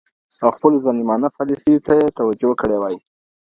او خپلو ظالمانه پالیسیو ته یې توجه کړې وای